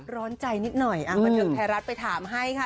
ร้อนใจนิดหน่อยบันเทิงไทยรัฐไปถามให้ค่ะ